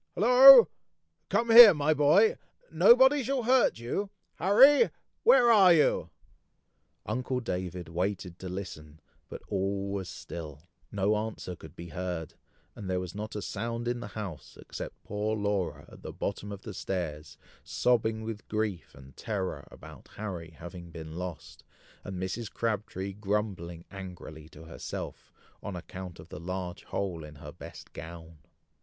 hollo! Come here, my boy! Nobody shall hurt you! Harry! where are you!" Uncle David waited to listen, but all was still, no answer could be heard, and there was not a sound in the house, except poor Laura at the bottom of the stairs, sobbing with grief and terror about Harry having been lost, and Mrs. Crabtree grumbling angrily to herself, on account of the large hole in her best gown.